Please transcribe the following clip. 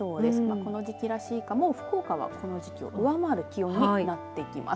この時期らしいかもう福岡はこの時期を上回る気温になってきます。